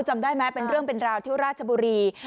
จำได้ไหมเป็นเรื่องเป็นราวที่ราชบุรี